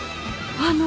あの？